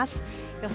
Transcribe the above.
予想